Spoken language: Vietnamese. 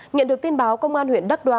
nhận được tin báo công an huyện đắc đoa